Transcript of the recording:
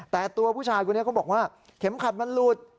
แต่ตัวผู้ชายคุณก็ว่าเข็มขัดมันหลุด